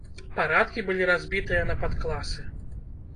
Парадкі былі разбітыя на падкласы.